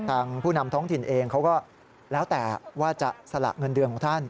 ผู้นำท้องถิ่นเองเขาก็แล้วแต่ว่าจะสละเงินเดือนของท่าน